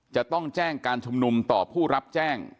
จะต้องแจ้งการชุมนุมต่อผู้รับแจ้ง